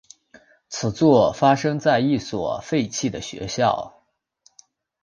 此作发生在一所废弃的学校。